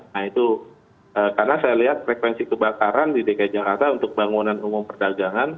nah itu karena saya lihat frekuensi kebakaran di dki jakarta untuk bangunan umum perdagangan